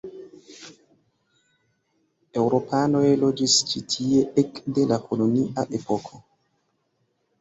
Eŭropanoj loĝis ĉi tie ekde la kolonia epoko.